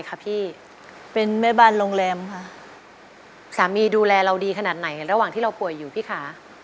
ก็มีบ่นบ้างค่ะ